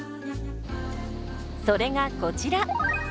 それがこちら。